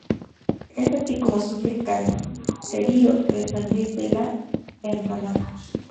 Es así como surge el caserío de San Luis de La Enramada.